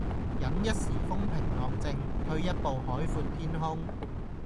忍一時風平浪靜，退一步海闊天空